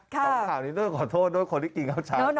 สองข่าวนี้ต้องขอโทษด้วยคนที่กินข้าวเช้า